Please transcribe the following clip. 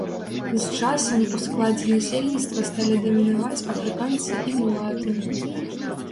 З часам у складзе насельніцтва сталі дамінаваць афрыканцы і мулаты.